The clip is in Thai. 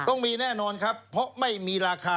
ต้องมีแน่นอนครับเพราะไม่มีราคา